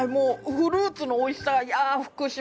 「フルーツの美味しさや福島」